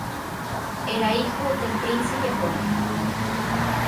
Era hijo del Príncipe Jorge.